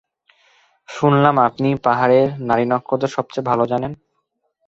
শুনলাম আপনিই পাহাড়ের নারী-নক্ষত্র সবচেয়ে ভালো জানেন।